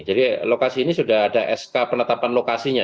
jadi lokasi ini sudah ada sk penetapan lokasinya